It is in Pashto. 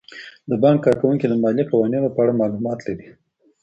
د بانک کارکوونکي د مالي قوانینو په اړه معلومات لري.